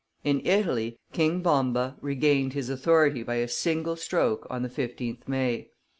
In Italy, King Bomba regained his authority by a single stroke on the 15th May.